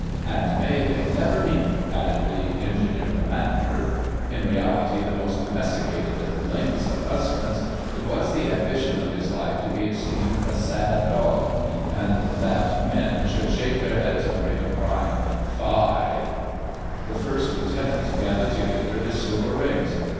"And may they never meet!" added the Engineer Commander. In reality the most domesticated and blameless of husbands, it was the ambition of his life to be esteemed a sad dog, and that, men should shake their heads over him crying "Fie!" The First Lieutenant gathered together his silver rings.